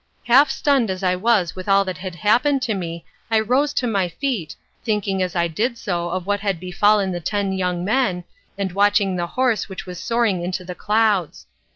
Half stunned as I was with all that had happened to me, I rose to my feet, thinking as I did so of what had befallen the ten young men, and watching the horse which was soaring into the clouds.